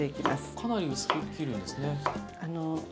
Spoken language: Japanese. かなり薄く切るんですね。